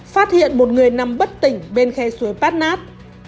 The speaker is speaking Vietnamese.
phát hiện một người nằm bất tỉnh bên khe suối pát nát